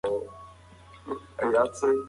ای د سپي لورې خپله ژبه لنډه کړه.